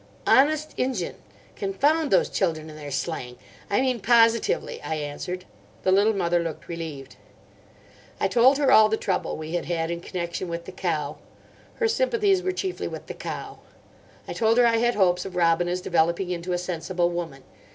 "Honest Injun—confound those children and their slang—I mean positively," I answered. The Little Mother looked relieved. I told her all the trouble we had had in connection with the cow. Her sympathies were chiefly with the cow. I told her I had hopes of Robina's developing into a sensible woman.